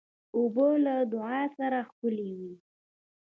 اوبه له دعا سره ښکلي وي.